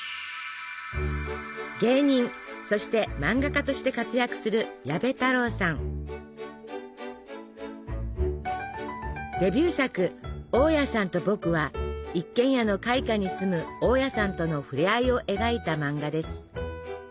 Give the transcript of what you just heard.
芸人そして漫画家として活躍するデビュー作「大家さんと僕」は一軒家の階下に住む大家さんとの触れ合いを描いた漫画です。